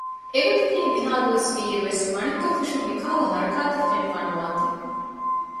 އެ ގޮތަކީ މިހައި ދުވަސް ވީއިރު ވެސް މަނިކުގެ ފުށުން މިކަހަލަ ހަރަކާތެއް ފެނިފައި ނުވާތީ